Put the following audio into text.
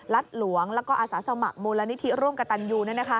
รัฐหลวงและอาสาสมะมูลนิธิร่วมกับตันยู